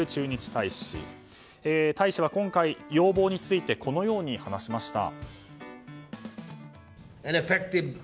大使は今回、要望についてこう話しました。